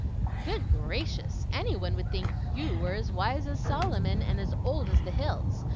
"Good gracious! any one would think YOU were as wise as Solomon and as old as the hills.